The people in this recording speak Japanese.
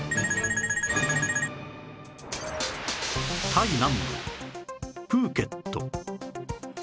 タイ南部プーケット